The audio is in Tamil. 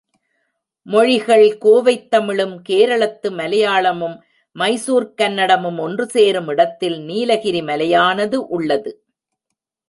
மொழிகள் கோவைத்தமிழும், கேரளத்து மலையாளமும், மைசூர்க் கன்னடமும் ஒன்று சேரும் இடத்தில் நீலகிரி மலையானது உள்ளது.